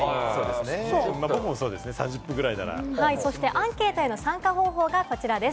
アンケートへの参加方法がこちらです。